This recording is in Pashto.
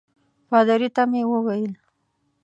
پادري ته مې وویل.